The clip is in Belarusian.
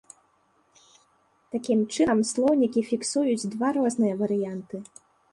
Такім чынам, слоўнікі фіксуюць два розныя варыянты.